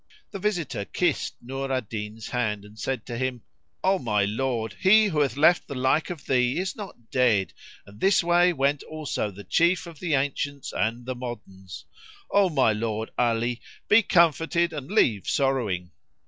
The visitor kissed Nur al Din's hand and said to him, "O my lord, he who hath left the like of thee is not dead; and this way went also the Chief of the Ancients and the Moderns. [FN#24] O my lord Ali, be comforted and leave sorrowing."